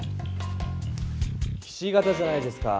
ひし形じゃないですか。